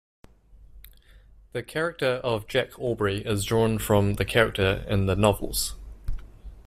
The character of Jack Aubrey is drawn from the character in the novels.